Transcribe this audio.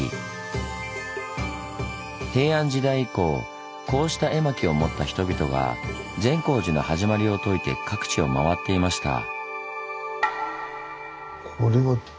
平安時代以降こうした絵巻を持った人々が善光寺の始まりを説いて各地を回っていました。